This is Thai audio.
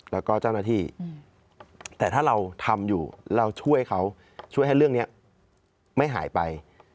แล้วก็เจ้าหน้าที่แต่ถ้าเราทำอยู่เราช่วยเขาช่วยให้เรื่องนี้ไม่หายไป